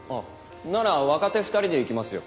なら若手２人で行きますよ。